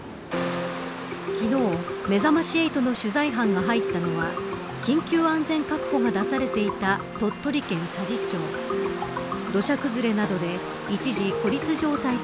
昨日、めざまし８の取材班が入ったのは緊急安全確保が出されていた鳥取県佐治町「パーフェクトスティック」